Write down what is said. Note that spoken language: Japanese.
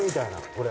これ。